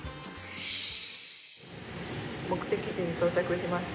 目的地に到着しました。